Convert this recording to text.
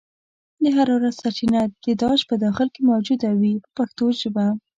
د حرارت سرچینه د داش په داخل کې موجوده وي په پښتو ژبه.